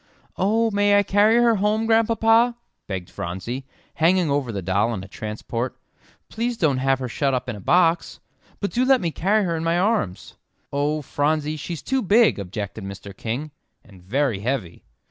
"Oh, may I carry her home, Grandpapa?" begged Phronsie, hanging over the doll in a transport. "Please don't have her shut up in a box but do let me carry her in my arms." "Oh, Phronsie, she's too big," objected Mr. King, "and very heavy."